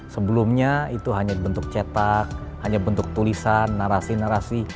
sebelumnya itu hanya bentuk cetak hanya bentuk tulisan narasi narasi